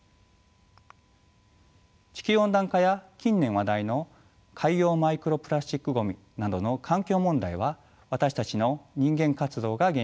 地球温暖化や近年話題の海洋マイクロプラスチックごみなどの環境問題は私たちの人間活動が原因です。